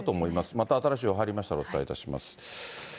また新しい情報入りましたらお伝えいたします。